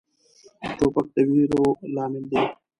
توپک د ویرو لامل دی.